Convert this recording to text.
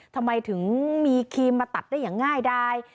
ทำไมถึงมีครีมมาตัดได้อย่างง่ายดาย